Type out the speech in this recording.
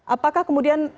apakah kemudian ada upaya